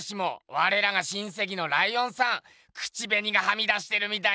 われらが親せきのライオンさん口べにがはみ出してるみたいな。